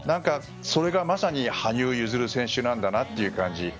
それがまさに羽生結弦選手なんだなという感じ。